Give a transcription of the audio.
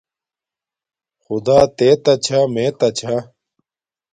خدݳ تݵتݳ چھݳ مݵتݳ چھݳ.